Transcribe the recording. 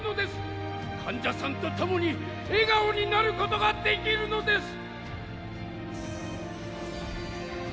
患者さんと共に笑顔になることができるのです！